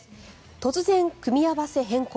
突然、組み合わせ変更。